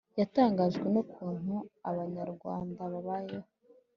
yatangajwe n'ukuntu abanyarwanda babayeho